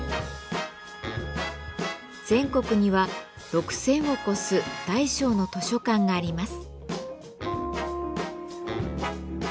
全国には６，０００を超す大小の図書館があります。